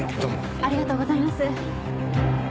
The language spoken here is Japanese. ありがとうございます。